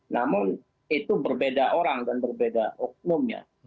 namun itu berbeda orang dan berbeda oknumnya